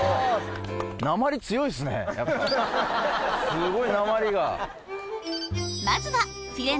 すごいなまりが。